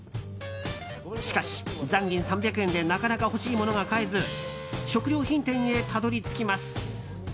しかし、残金３００円でなかなか欲しいものが買えず食料品店へたどり着きます。